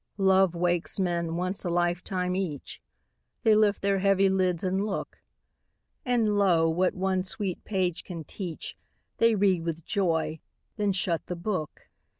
Love wakes men, once a lifetime each; They lift their heavy lids, and look; And, lo, what one sweet page can teach, They read with joy, then shut the book.